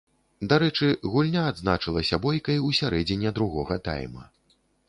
Дарэчы, гульня адзначылася бойкай у сярэдзіне другога тайма.